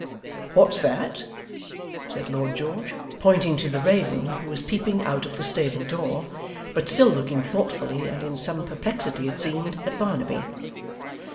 'What's that?' said Lord George pointing to the raven who was peeping out of the stable door but still looking thoughtfully, and in some perplexity, it seemed, at Barnaby.